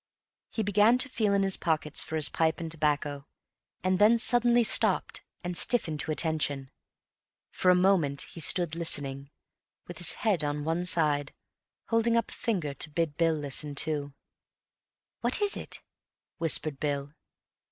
He began to feel in his pockets for his pipe and tobacco, and then suddenly stopped and stiffened to attention. For a moment he stood listening, with his head on one side, holding up a finger to bid Bill listen too. "What is it?" whispered Bill.